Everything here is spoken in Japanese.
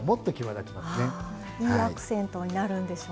あいいアクセントになるんでしょうね。